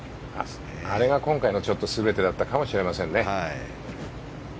あれが今回の全てだったかもしれませんね。